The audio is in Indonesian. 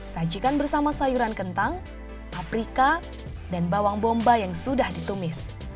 sajikan bersama sayuran kentang paprika dan bawang bomba yang sudah ditumis